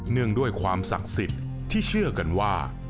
งด้วยความศักดิ์สิทธิ์ที่เชื่อกันว่า